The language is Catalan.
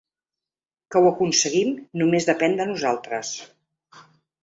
Que ho aconseguim, només depèn de nosaltres.